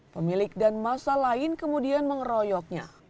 pemilik dan masa lain kemudian mengeroyoknya